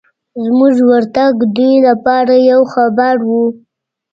زموږ ورتګ دوی لپاره یو خبر و.